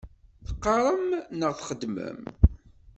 Teqqaṛem neɣ txeddmem?